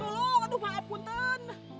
tolong aduh maaf pun ten